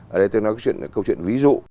ở đây tôi nói câu chuyện ví dụ